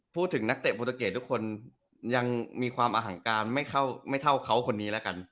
พูดถึงนักเตะโปรเกตทุกคนยังมีความอหังการไม่เท่าเขาคนนี้แล้วกัน